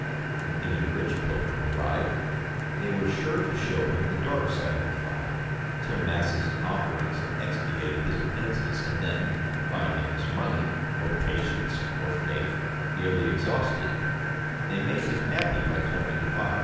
When any rich pilgrim arrived, they were sure to show him the dark side of the phial, till masses and offerings had expiated his offences and then, finding his money, or patience, or faith, nearly exhausted, they made him happy by turning the phial.